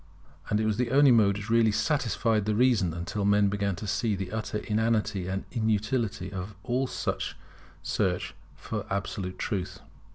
And it was the only mode which really satisfied the reason, until men began to see the utter inanity and inutility of all search for absolute truth.